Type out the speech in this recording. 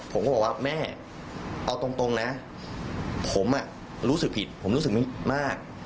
ผมก็บอกว่าแม่เอาตรงนะผมรู้สึกผิดผมรู้สึกไม่มาก